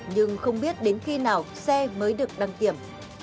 nhưng không biết đến khi nào xe mới được đăng kiểm